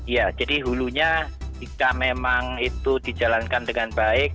ya jadi hulunya jika memang itu dijalankan dengan baik